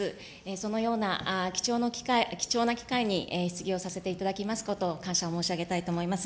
そのような貴重な機会に質疑をさせていただきますことを、感謝申し上げたいと思います。